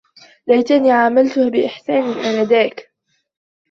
ليتني عاملتها بإحسان آنذاك.